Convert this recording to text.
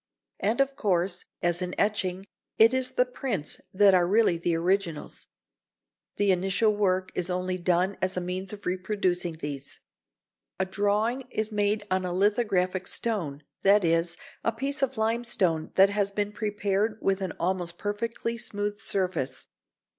And of course, as in etching, it is the prints that are really the originals. The initial work is only done as a means of producing these. A drawing is made on a lithographic stone, that is, a piece of limestone that has been prepared with an almost perfectly smooth surface.